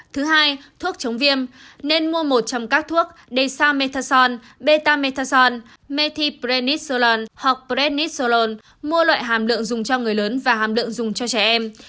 thứ hai là thuốc chống viêm nên mua một trong các thuốc desamethasone betamethasone methyprenicolone hoặc prenicolone mua loại hàm lượng dùng cho người lớn và hàm lượng dùng cho trẻ em